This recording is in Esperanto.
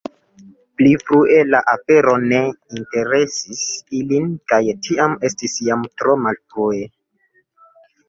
Pli frue la afero ne interesis ilin kaj tiam estis jam tro malfrue.”